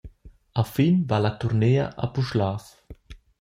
A fin va la turnea a Puschlav.